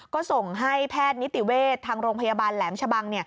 ก็ส่งให้แพทย์นิติเวชทางโรงพยาบาลแหลมชะบัง